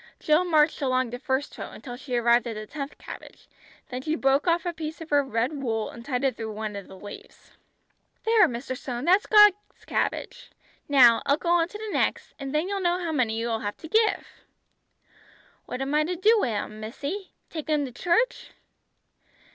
Jill marched along the first row until she arrived at the tenth cabbage, then she broke off a piece of her red wool and tied it through one of the leaves. "There, Mr. Stone, that's God's cabbage. Now, I'll go on to the next, and then you'll know how many you will have to give." "What am I to do wi' 'em, missy. Take 'em to church?"